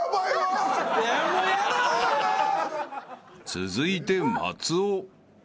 ［続いて松尾］